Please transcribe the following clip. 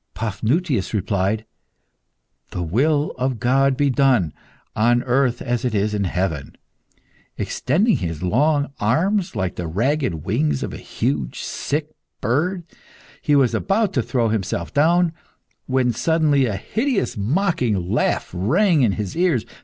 Paphnutius replied "The will of God be done, on earth as it is in heaven." Extending his long arms like the ragged wings of a huge sick bird, he was about to throw himself down, when, suddenly, a hideous mocking laugh rang in his ears.